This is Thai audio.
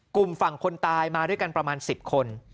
กลุ่มฝั่งคนตายมาด้วยกันประมาณ๑๐คน